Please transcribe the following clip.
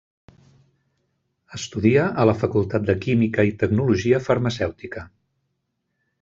Estudia a la Facultat de Química i Tecnologia Farmacèutica.